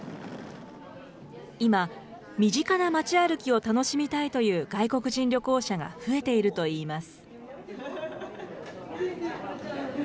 今、身近な街歩きを楽しみたいという外国人旅行者が増えているといいます。